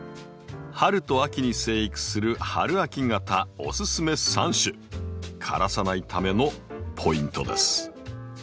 春と秋に生育する春秋型おススメ３種枯らさないためのポイントです。